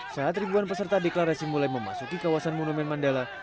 saat ribuan peserta deklarasi mulai memasuki kawasan monumen mandala